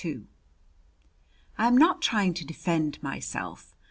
II I am not trying to defend myself.